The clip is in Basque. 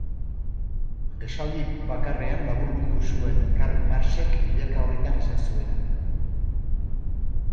Esaldi bakarrean laburbildu zuen Karl Marxek milaka orritan esan zuena.